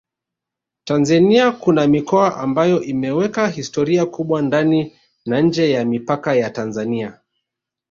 Tanzania kuna mikoa ambayo imeweka historia kubwa ndani na nje ya mipaka ya Tanzania